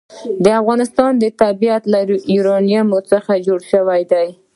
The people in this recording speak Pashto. د افغانستان طبیعت له یورانیم څخه جوړ شوی دی.